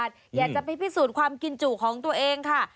อันนี้ก็จะ๑๐บาทอยากจะไปพิสูจน์ความกินจุของตัวเองค่ะ